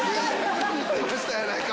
やないか！